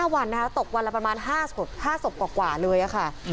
วันนะคะตกวันละประมาณ๕ศพกว่าเลยค่ะ